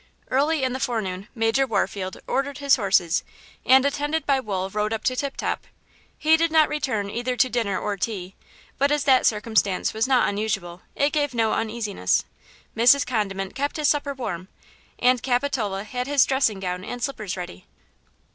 Early in the forenoon Major Warfield ordered his horses and, attended by Wool rode up to Tip Top. He did not return either to dinner or tea, but as that circumstance was not unusual, it gave no uneasiness. Mrs. Condiment kept his supper warm, and Capitola had his dressing gown and slippers ready.